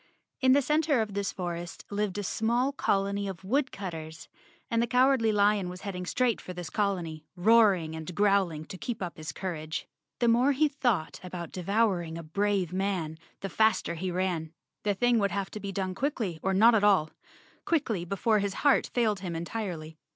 In the center of this forest lived a small colony of woodcutters, and the Cowardly Lion was heading straight for this colony, roaring and 110 Chapter Nine growling to keep up his courage. The more he thought about devouring a brave man, the faster he ran. The thing would have to be done quickly or not at all— quickly before his heart failed him entirely.